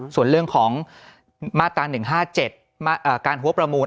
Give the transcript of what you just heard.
ส่วนเรื่องของมาตรา๑๕๗การหัวประมูล